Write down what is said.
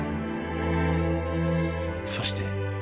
［そして］